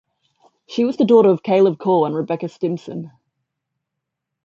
She was the daughter of Caleb Call and Rebecca Stimson.